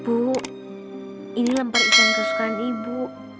bu ini lempar ikan kerusuhan ibu